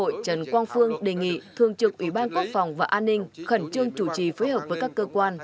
đại biểu quốc hội trần quang phương đề nghị thường trực ủy ban quốc phòng và an ninh khẩn trương chủ trì phối hợp với các cơ quan